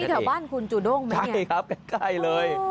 นี่เกี่ยวกับบ้านคุณจุด้งไหมเนี่ยใช่ครับใกล้เลย